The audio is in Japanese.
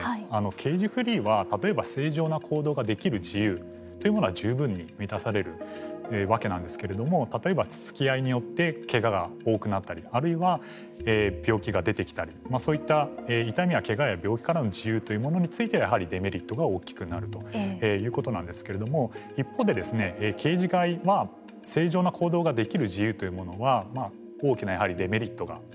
ケージフリーは例えば正常な行動ができる自由というものが十分に満たされるわけなんですけれども例えばつつき合いによってけがが多くなったりあるいは病気が出てきたりまあそういった痛みやけがや病気からの自由というものについてはやはりデメリットが大きくなるということなんですけれども一方でケージ飼いは正常な行動ができる自由というものは大きなやはりデメリットがある。